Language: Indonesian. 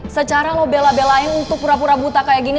secara lo bela belain untuk pura pura buta kayak gini